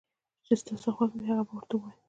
چې ستا څه خوښ وي هغه به ورته ووايو